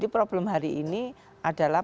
problem hari ini adalah